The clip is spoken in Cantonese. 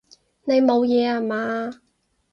你冇嘢啊嘛？